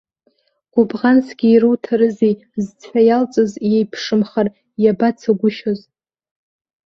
Гәыбӷансгьы ируҭарызеи, зцәа иалҵыз иеиԥшымхар иабацагәышьоз.